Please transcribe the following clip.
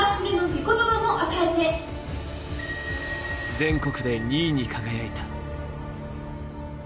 全国で２位に輝いた。